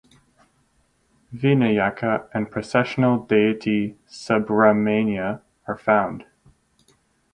Vinayaka and processional deity Subramania are found.